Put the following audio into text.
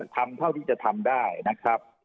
ทำเท่าที่จะทำได้นะครับ